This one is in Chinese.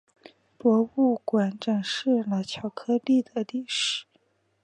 博物馆展示了巧克力的历史。